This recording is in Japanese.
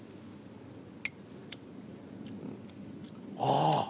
ああ。